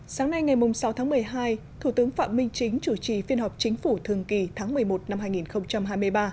sáng nay ngày sáu tháng một mươi hai thủ tướng phạm minh chính chủ trì phiên họp chính phủ thường kỳ tháng một mươi một năm hai nghìn hai mươi ba